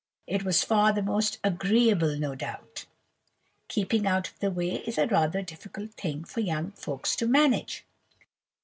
It was far the most agreeable, no doubt. Keeping out of the way is a rather difficult thing for young folks to manage."